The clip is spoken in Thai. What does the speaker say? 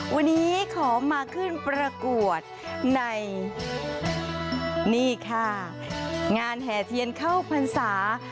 วันนี้ขอมาขึ้นประกวดในนี่ค่ะงานแห่เทียนเข้าพรรษา